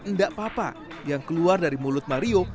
ndak papa yang keluar dari mulut mario